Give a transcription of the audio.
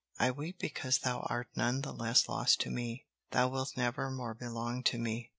"I weep because thou art none the less lost to me. Thou wilt never more belong to me.